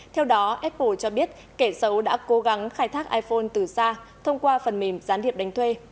theo đó apple cho biết kẻ xấu đã cố gắng khai thác iphone từ xa thông qua phần mềm gián điệp đánh thuê